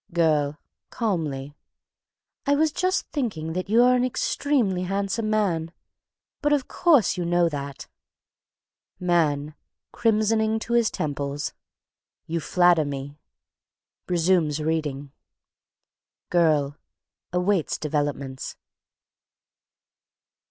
GIRL. (Calmly.) "I was just thinking that you are an extremely handsome man, but of course you know that." MAN. (Crimsoning to his temples.) "You flatter me!" (Resumes reading.) Girl. (_Awaits developments.